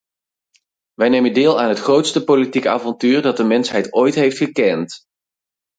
Wij nemen deel aan het grootste politieke avontuur dat de mensheid ooit heeft gekend.